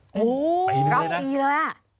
โอ้โฮรับปีแล้วล่ะอีกหนึ่งด้วยนะ